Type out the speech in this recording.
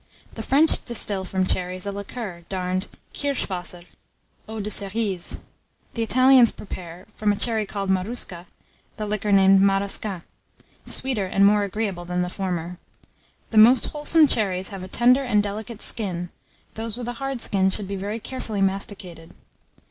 The French distil from cherries a liqueur Darned kirsch waser (eau de cérises); the Italians prepare, from a cherry called marusca, the liqueur named marasquin, sweeter and more agreeable than the former. The most wholesome cherries have a tender and delicate skin; those with a hard skin should be very carefully masticated.